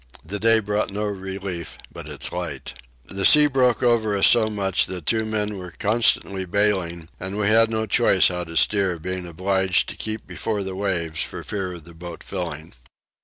The day brought no relief but its light. The sea broke over us so much that two men were constantly baling; and we had no choice how to steer, being obliged to keep before the waves for fear of the boat filling.